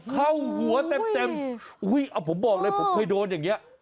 เข้าหัวเต็มผมบอกเลยผมเคยโดนอย่างนี้